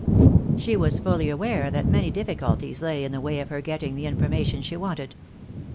She was fully aware that many difficulties lay in the way of her getting the information she wanted.